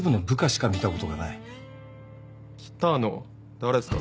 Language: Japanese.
誰っすか？